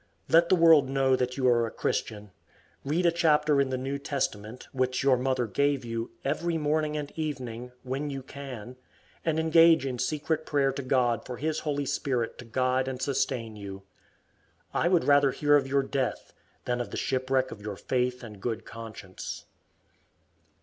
Let the world know that you are a Christian. Read a chapter in the New Testament, which your mother gave you, every morning and evening, when you can, and engage in secret prayer to God for his holy Spirit to guide and sustain you. I would rather hear of your death than of the shipwreck of your faith and good conscience.